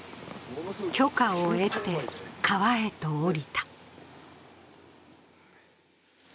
許可を得て、川へと下りた。